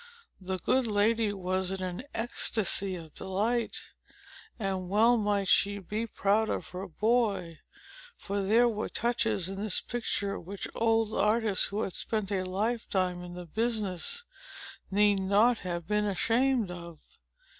The good lady was in an ecstasy of delight. And well might she be proud of her boy; for there were touches in this picture, which old artists, who had spent a lifetime in the business, need not have been ashamed of.